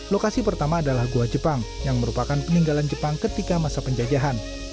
lokasi pertama adalah gua jepang yang merupakan peninggalan jepang ketika masa penjajahan